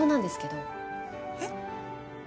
えっ？